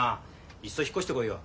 いっそ引っ越してこいよ。